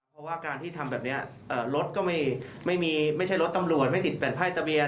เพราะว่าการที่ทำแบบนี้รถก็ไม่ใช่รถตำรวจไม่ติดแผ่นป้ายทะเบียน